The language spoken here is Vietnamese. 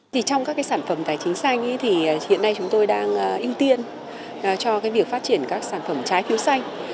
trong các sản phẩm tài chính xanh hiện nay chúng tôi đang ưu tiên cho việc phát triển các sản phẩm trái phiếu xanh